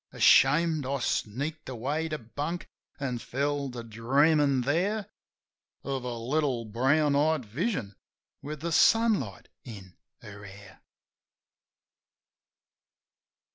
Ashamed, I sneaked away to bunk; an' fell to dreamin' there Of a little brown eyed vision with the sunlight in her hair.